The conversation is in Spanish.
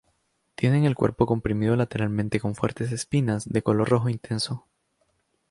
Tienen el cuerpo comprimido lateralmente con fuertes espinas, de color rojo intenso.